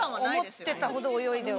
思ってたほど泳いでは。